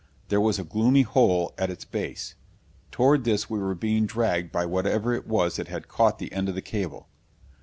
There was a gloomy hole at its base. Toward this we were being dragged by whatever it was that had caught the end of the cable.